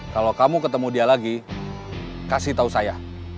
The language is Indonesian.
kalau kamu ketemu dia lagi kasih tahu saya